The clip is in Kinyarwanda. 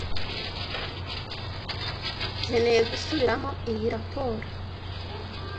Nkeneye gusubiramo iyi raporo.